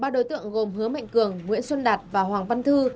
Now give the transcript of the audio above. ba đối tượng gồm hứa mạnh cường nguyễn xuân đạt và hoàng văn thư